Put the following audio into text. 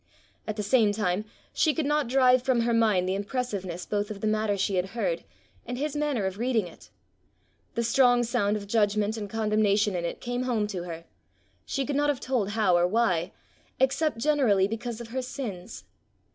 At the same time she could not drive from her mind the impressiveness both of the matter she had heard, and his manner of reading it: the strong sound of judgment and condemnation in it came home to her she could not have told how or why, except generally because of her sins.